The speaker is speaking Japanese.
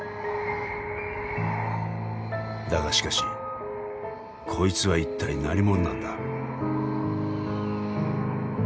だがしかしこいつは一体何ものなんだ？